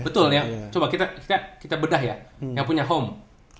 betul ya coba kita bedah ya yang punya home